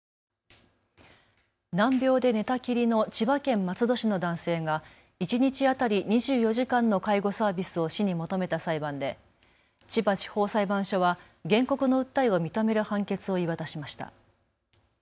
難病で寝たきりの千葉県松戸市の男性が一日当たり２４時間の介護サービスを市に求めた裁判で千葉地方裁判所は原告の訴えを認める判決を言い渡しました。